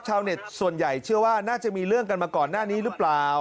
ชาวเน็ตส่วนใหญ่เชื่อว่าน่าจะมีเรื่องกันมาก่อนหน้านี้หรือเปล่า